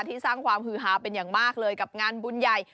สร้างความฮือฮาเป็นอย่างมากเลยกับงานบุญใหญ่